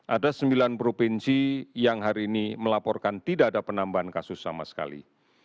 ada sembilan provinsi yang hari ini melaporkan tidak ada penambahan kasus sama sekali